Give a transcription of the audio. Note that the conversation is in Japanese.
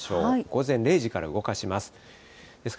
午前０時から動かします。